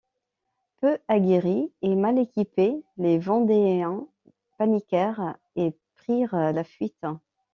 Peu aguerris et mal équipés, les vendéens paniquèrent et prirent la fuite.